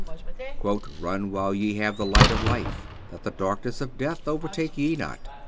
"Run while ye have the light of life, that the darkness of death overtake ye not."